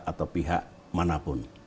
atau pihak manapun